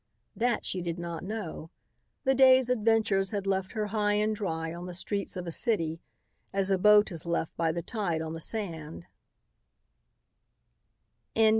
That she did not know. The day's adventures had left her high and dry on the streets of a city as a boat is left by the tide on the sand.